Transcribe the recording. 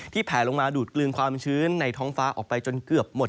แผลลงมาดูดกลืนความชื้นในท้องฟ้าออกไปจนเกือบหมด